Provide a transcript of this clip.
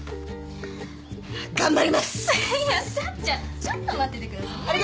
じゃあちょっと待っててくださいね。